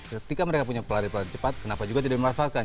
ketika mereka punya pelari pelari cepat kenapa juga tidak dimanfaatkan